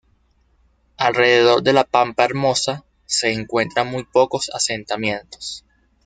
Alrededor de la Pampa Hermosa se encuentra muy pocos asentamientos.